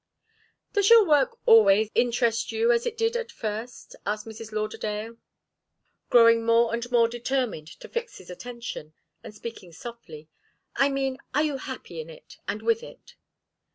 "Does your work always interest you as it did at first?" asked Mrs. Lauderdale, growing more and more determined to fix his attention, and speaking softly. "I mean are you happy in it and with it?"